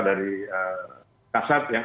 dari kasat yang